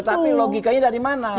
tetapi logikanya dari mana